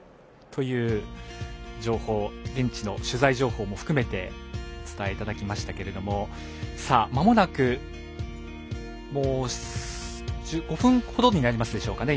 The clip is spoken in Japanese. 現地の取材情報も含めてお伝えいただきましたけどもまもなく、もう５分ほどになりますでしょうかね。